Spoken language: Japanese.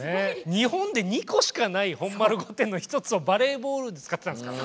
日本で２個しかない本丸御殿の一つをバレーボールで使ってたんですから。